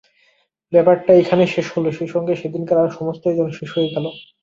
ব্যাপারটা এইখানে শেষ হল– সেইসঙ্গে সেদিনকার আর-সমস্তই যেন শেষ হয়ে গেল।